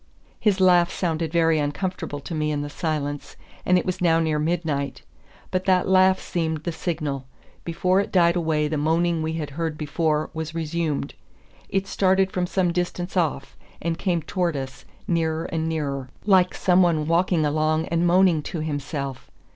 His laugh sounded very uncomfortable to me in the silence; and it was now near midnight. But that laugh seemed the signal; before it died away the moaning we had heard before was resumed. It started from some distance off, and came towards us, nearer and nearer, like some one walking along and moaning to himself.